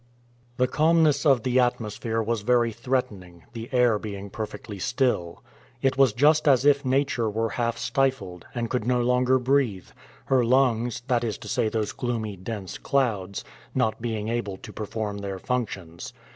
The calmness of the atmosphere was very threatening, the air being perfectly still. It was just as if Nature were half stifled, and could no longer breathe; her lungs, that is to say those gloomy, dense clouds, not being able to perform their functions.